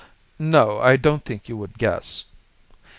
"No, I don't think you would guess.